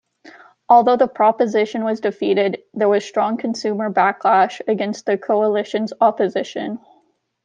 Although the proposition was defeated, there was strong consumer backlash against the coalition's opposition.